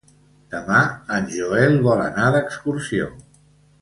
Demà en Joel vol anar d'excursió.